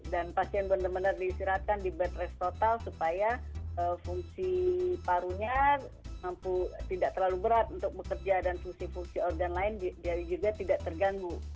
dan pasien benar benar disiratkan di bed rest total supaya fungsi parunya tidak terlalu berat untuk bekerja dan fungsi fungsi organ lain juga tidak terganggu